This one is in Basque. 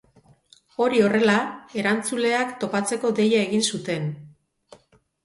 Hori horrela, erantzuleak topatzeko deia egin zuten.